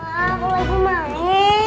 mak aku mau main